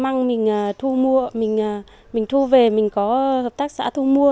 măng mình thu mua mình thu về mình có hợp tác xã thu mua